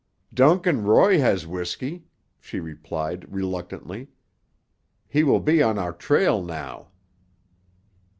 "Duncan Roy has whisky," she replied reluctantly. "He will be on our trail now."